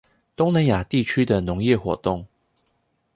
東南亞地區的農業活動